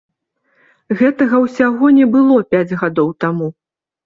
Гэтага ўсяго не было пяць гадоў таму.